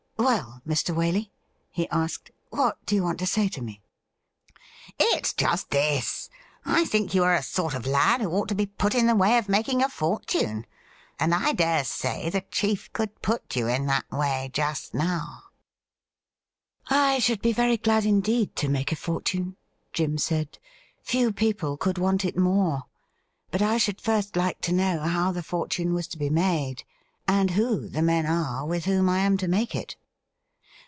' Well, Mr. Waley,' he asked, ' what do you want to say to me ?'' It's just this : I think you are a sort of lad who ought to be put in the way of making your fortune, and I dare say the chief could put you in that way just now.' 94 THE RIDDLE RING ' I should be very glad indeed to make a fortune,' Jim said ;' few people could want it more. But I should first like to know how the fortune was to be made, and who the men are with whom I am to make it.'